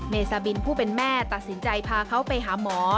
เมซาบินผู้เป็นแม่ตัดสินใจพาเขาไปหาหมอ